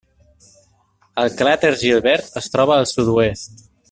El cràter Gilbert es troba al sud-oest.